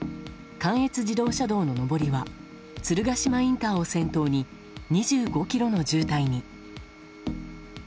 関越自動車道の上りは鶴ヶ島インターを先頭に２５ｋｍの渋滞に。